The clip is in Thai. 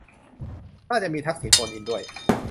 น่าจะมีทักษิณโฟนอินด้วย